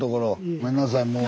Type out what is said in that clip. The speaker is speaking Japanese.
ごめんなさいもう。